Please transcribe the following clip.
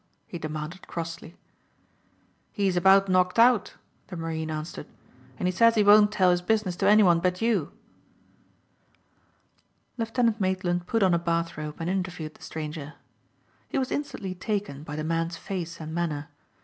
he demanded crossly. "He's about knocked out," the marine answered, "and he says he won't tell his business to anyone but you." Lieutenant Maitland put on a bath robe and interviewed the stranger. He was instantly taken by the man's face and manner.